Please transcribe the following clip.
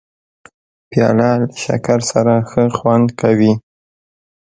پیاله له شکر سره ښه خوند کوي.